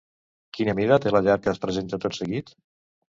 Quina mida té la llar que es presenta tot seguit?